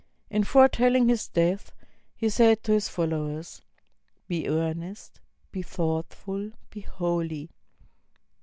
In foretell ing his death, he said to his followers: "Be earnest, be thoughtful, be holy.